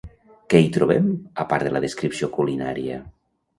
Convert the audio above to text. Què hi trobem, a part de la descripció culinària?